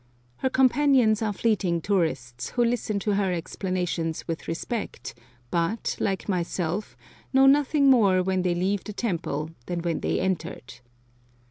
Her companions are fleeting tourists, who listen to her explanations with respect, but, like myself, know nothing more when they leave the temple than when they entered.